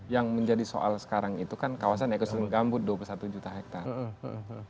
yang menjadi soal sekarang itu kan kawasan ekosistem gambut dua puluh satu juta hektare